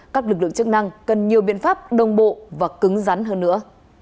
các lực lượng chức năng cần nhiều biện pháp đồng bộ và cứng rắn hơn nữa